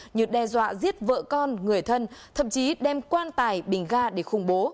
như đe dọa giết vợ con người thân thậm chí đem quan tài bình ga để khủng bố